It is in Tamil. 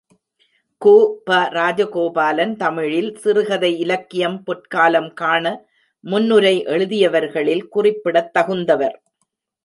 ◯ கு. ப. ராஜகோபாலன் தமிழில் சிறுகதை இலக்கியம் பொற்காலம் காண முன்னுரை எழுதியவர்களில் குறிப்பிடத் தகுந்தவர்.